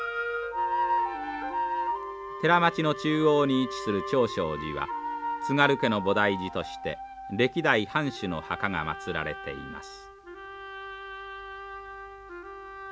寺町の中央に位置する長勝寺は津軽家の菩提寺として歴代藩主の墓が祭られています。